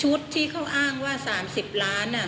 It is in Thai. ชุดที่เขาอ้างว่า๓๐ล้านอ่ะ